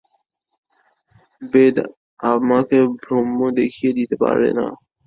বেদ তোমাকে ব্রহ্ম দেখিয়ে দিতে পারে না।